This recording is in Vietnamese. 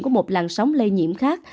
của một làn sóng lây nhiễm khác